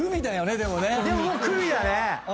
でももう來未だね。